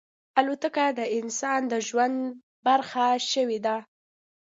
الوتکه د انسان د ژوند برخه شوې ده.